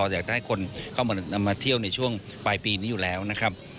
อยากจะให้คนเข้ามาเที่ยวในช่วงปลายปีนี้อยู่แล้วนะครับ